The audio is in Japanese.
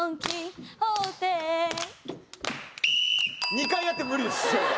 ２回やっても無理です。